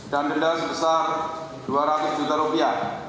dan denda sebesar dua ratus juta rupiah